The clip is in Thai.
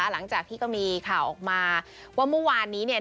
หลังจากที่ก็มีข่าวออกมาว่าเมื่อวานนี้เนี่ย